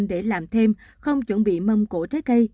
để làm thêm không chuẩn bị mâm cổ trái cây